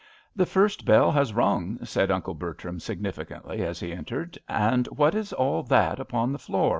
" The first bell has rung," said Uncle Bertram, significantly, as he entered. "And what is all that upon the floor?